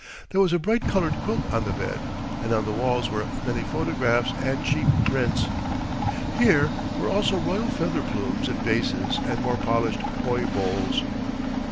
There was a bright coloured quilt on the bed, and on the walls were many photographs and cheap prints. Here were also royal feather plumes in vases and more polished poi bowls.